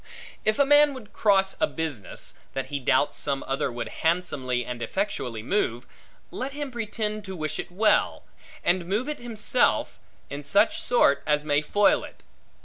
If a man would cross a business, that he doubts some other would handsomely and effectually move, let him pretend to wish it well, and move it himself in such sort as may foil it.